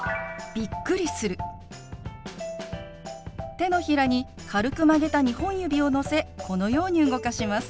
手のひらに軽く曲げた２本指をのせこのように動かします。